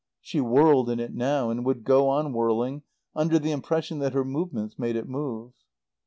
She whirled in it now, and would go on whirling, under the impression that her movements made it move.